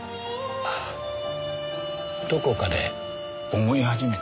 どこかで思い始めた。